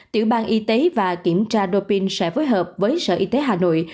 tiểu bang y tế và kiểm tra doping sẽ phối hợp với sở y tế hà nội